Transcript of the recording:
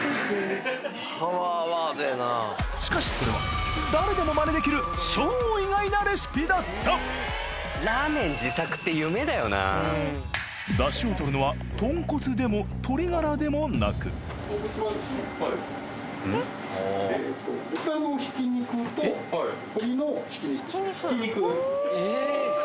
しかしそれは誰でも出汁を取るのは豚骨でも鶏ガラでもなくえ！